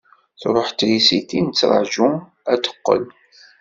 Truḥ trisiti, nettraju ad d-teqqel.